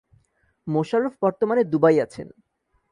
মোশাররফ বর্তমানে দুবাই আছেন।